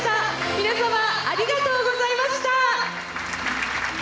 皆さまありがとうございました。